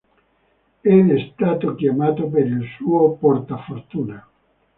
Ed è stato chiamato per il suo portafortuna.